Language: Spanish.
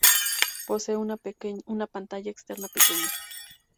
Posee una pantalla externa pequeña.